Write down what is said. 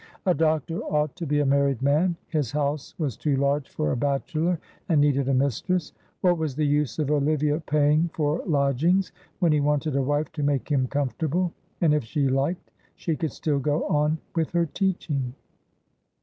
A doctor ought to be a married man, his house was too large for a bachelor, and needed a mistress. What was the use of Olivia paying for lodgings when he wanted a wife to make him comfortable? And if she liked she could still go on with her teaching.